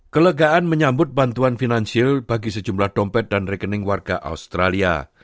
kelegaan menyambut bantuan finansial bagi sejumlah dompet dan rekening warga australia